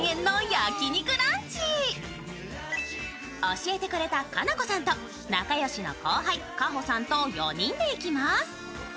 教えてくれたかなこさんと仲良しの後輩かほさんと４人で行きます。